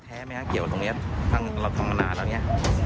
ไหมฮะเกี่ยวกับตรงนี้ทางเราทำมานานแล้วเนี่ย